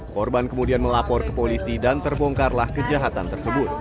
korban kemudian melapor ke polisi dan terbongkarlah kejahatan tersebut